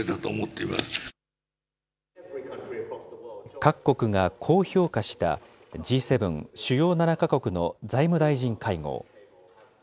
各国がこう評価した、Ｇ７・主要７か国の財務大臣会合。